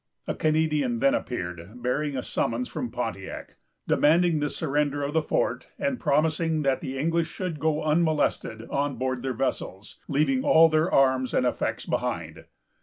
A Canadian then appeared, bearing a summons from Pontiac, demanding the surrender of the fort, and promising that the English should go unmolested on board their vessels, leaving all their arms and effects behind.